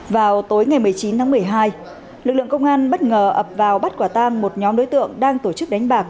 vào tối ngày một mươi chín tháng một mươi hai lực lượng công an bất ngờ ập vào bắt quả tang một nhóm đối tượng đang tổ chức đánh bạc